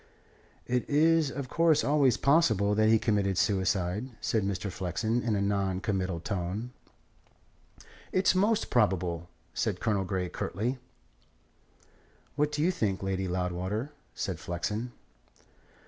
"It is, of course, always possible that he committed suicide," said Mr. Flexen in a non committal tone. "It's most probable," said Colonel Grey curtly. "What do you think, Lady Loudwater?" said Flexen.